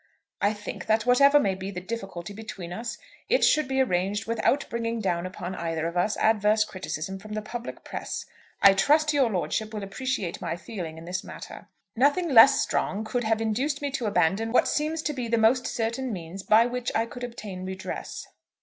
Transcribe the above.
I think that, whatever may be the difficulty between us, it should be arranged without bringing down upon either of us adverse criticism from the public press. I trust your lordship will appreciate my feeling in this matter. Nothing less strong could have induced me to abandon what seems to be the most certain means by which I could obtain redress.